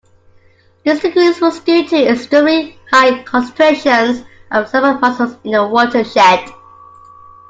This decrease was due to extremely high concentrations of zebra mussels in the watershed.